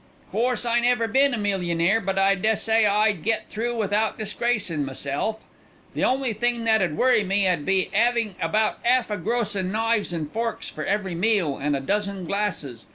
"Course I never been a millionaire, but I dessay I'd get through without disgracin' meself. The only thing that 'ud worry me 'ud be 'avin' about 'alf a gross o' knives an' forks for every meal, an' a dozen glasses.